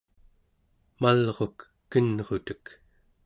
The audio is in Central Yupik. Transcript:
malruk kenrutek